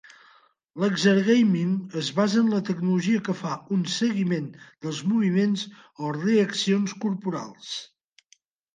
L'exergaming es basa en la tecnologia que fa un seguiment dels moviments o reaccions corporals.